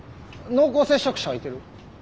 濃厚接触者はいてる？